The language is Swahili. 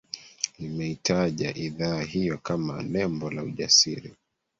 limeitaja idhaa hiyo kama nembo la ujasiri